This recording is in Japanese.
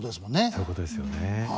そういうことですよね。